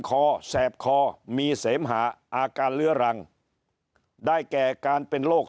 แสบคอมีเสมหาอาการเลื้อรังได้แก่การเป็นโรค